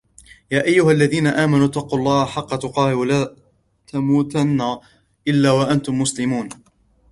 يا أيها الذين آمنوا اتقوا الله حق تقاته ولا تموتن إلا وأنتم مسلمون